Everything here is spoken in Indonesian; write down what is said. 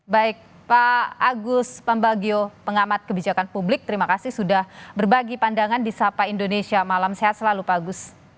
baik pak agus pambagio pengamat kebijakan publik terima kasih sudah berbagi pandangan di sapa indonesia malam sehat selalu pak agus